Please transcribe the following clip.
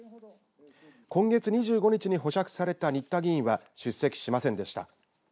今月２５日に保釈された仁田議員は出席しませんでした。